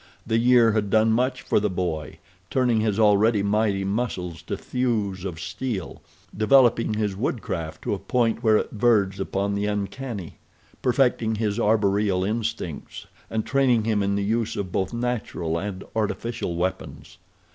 The year had done much for the boy—turning his already mighty muscles to thews of steel, developing his woodcraft to a point where it verged upon the uncanny, perfecting his arboreal instincts, and training him in the use of both natural and artificial weapons.